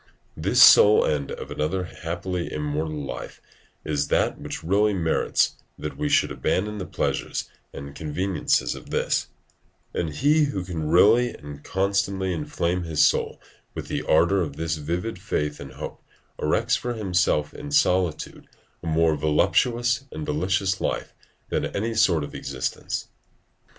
This sole end of another happily immortal life is that which really merits that we should abandon the pleasures and conveniences of this; and he who can really and constantly inflame his soul with the ardour of this vivid faith and hope, erects for himself in solitude a more voluptuous and delicious life than any other sort of existence.